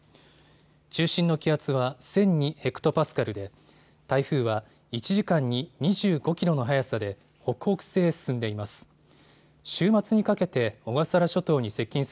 中心の気圧は１００２ｈＰａで台風は１時間に２５キロの速さで北北西へ進んでいます。